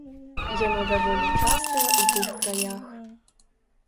Яно даволі частае ў тых краях.